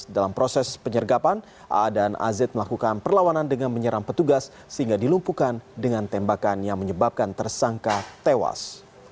dalam proses penyergapan aa dan az melakukan perlawanan dengan menyerang petugas sehingga dilumpuhkan dengan tembakan yang menyebabkan tersangka tewas